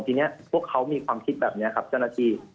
ทีนี้พวกเขามีความคิดแบบนี้ครับเจ้าหน้าที่